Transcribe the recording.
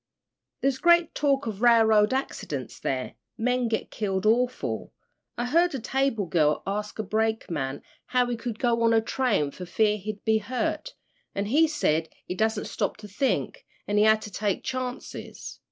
"There's great talk of railroad accidents there. Men get killed awful. I heard a table girl ask a brakeman how he could go on a train for fear he'd be hurt, an' he said he dassent stop to think, he had to take chances.